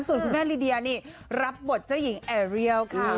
ส่วนคุณแม่ลีเดียนี่รับบทเจ้าหญิงแอร์เรียลค่ะ